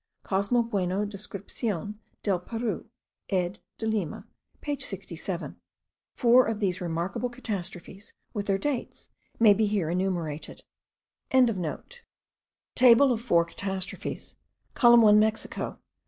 Cosmo Bueno Descripcion del Peru ed. de Lima page 67. Four of these remarkable catastrophes, with their dates, may be here enumerated.) TABLE OF FOUR CATASTROPHES: COLUMN 1 : MEXICO.